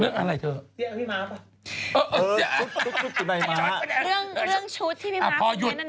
เรื่องให้พี่มาสไป